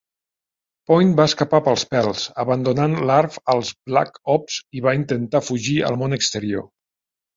Point va escapar pels pèls, abandonant Larf als Black Ops, i va intentar fugir al món exterior.